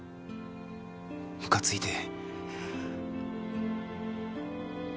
むかついて。